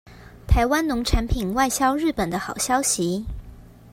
臺灣農產品外銷日本的好消息